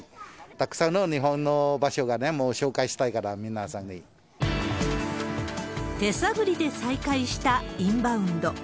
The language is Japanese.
たくさんの日本の場所を紹介したいから、手探りで再開したインバウンド。